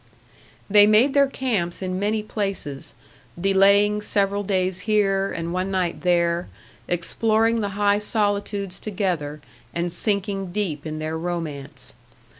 They made their camps in many places, delaying several days here, and one night there, exploring the high solitudes together, and sinking deep in their romance.